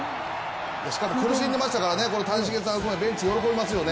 しかも苦しんでいましたからね、谷繁さん、ベンチ喜びますよね。